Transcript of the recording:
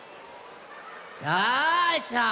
さあさあ